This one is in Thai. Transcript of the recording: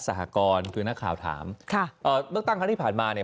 หกรณ์คือนักข่าวถามค่ะเอ่อเลือกตั้งครั้งที่ผ่านมาเนี่ย